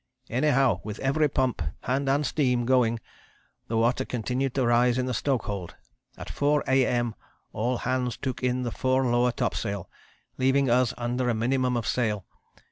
"Anyhow with every pump, hand and steam, going, the water continued to rise in the stokehold. At 4 A.M. all hands took in the fore lower topsail, leaving us under a minimum of sail.